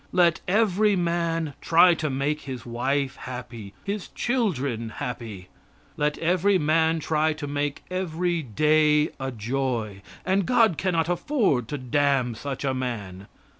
Let every man try to make his wife happy, his children happy. Let every man try to make every day a joy, and God cannot afford to damn such a man.